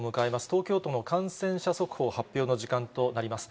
東京都の感染者速報、発表の時間となります。